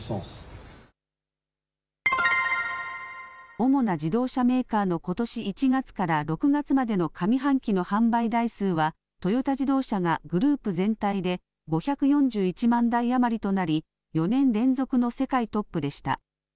主な自動車メーカーのことし１月から６月までの上半期の販売台数はトヨタ自動車が、グループ全体で５４１万台余りとなり４年連続の世界トップでした。